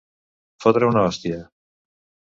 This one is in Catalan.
Fotre una hòstia.